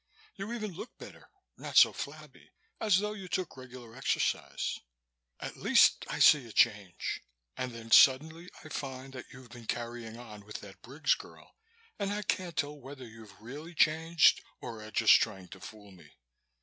You even look better, not so flabby, as though you took regular exercise. At least I see a change, and then suddenly I find that you've been carrying on with that Briggs girl and I can't tell whether you've really changed or are just trying to fool me.